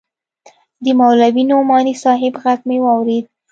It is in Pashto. د مولوي نعماني صاحب ږغ مې واورېد.